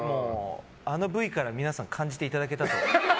あのＶから皆さん感じていただけたかと。